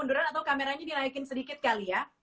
munduran atau kameranya dinaikin sedikit kali ya